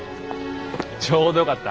ちょうどよかった。